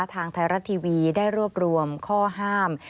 ทางไทยรัฐทีวีได้รวบรวมข้อห้าม